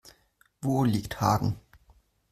Wo liegt Hagen?